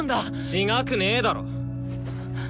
違くねえだろ！